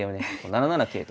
７七桂と。